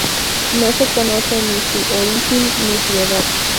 No se conoce ni su origin, ni su edad.